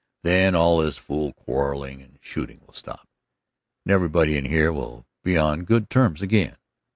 Then all this fool quarreling and shooting will stop, and everybody in here will be on good terms again.